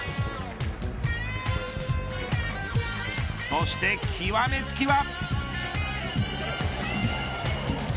そして、極めつけは。